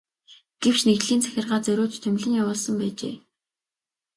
Гэвч нэгдлийн захиргаа зориуд томилон явуулсан байжээ.